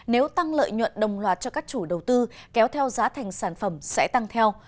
nếu tăng lợi nhuận đồng loạt cho các chủ đầu tư kéo theo giá thành sản phẩm sẽ tăng theo